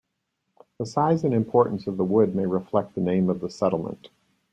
The size and importance of the wood may reflect the name of the settlement.